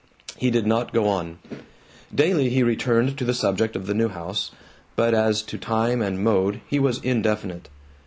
He did not go on. Daily he returned to the subject of the new house, but as to time and mode he was indefinite.